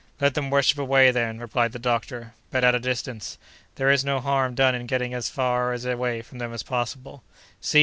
"Let them worship away, then," replied the doctor, "but at a distance. There is no harm done in getting as far away from them as possible. See!